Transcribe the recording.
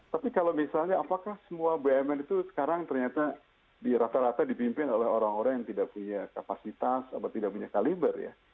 tapi kalau misalnya apakah semua bumn itu sekarang ternyata di rata rata dipimpin oleh orang orang yang tidak punya kapasitas atau tidak punya kaliber ya